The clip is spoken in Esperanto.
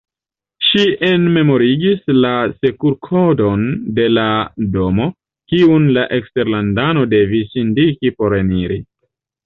Ŝi enmemorigis la serurkodon de la domo, kiun la eksterlandano devis indiki por eniri.